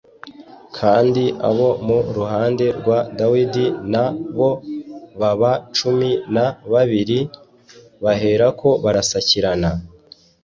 kandi abo mu ruhande rwa Dawidi na bo baba cumi na babiri, baherako barasakirana